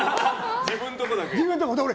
自分のところだけ。